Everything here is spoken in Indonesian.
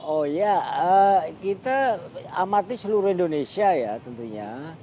oh ya kita amati seluruh indonesia ya tentunya